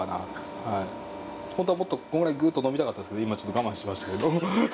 本当はもっとこのぐらいグッと呑みたかったんですけど今ちょっと我慢しましたけど。